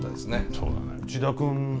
そうだね。